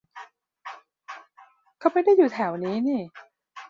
เขาไม่ได้อยู่แถวนี้นี่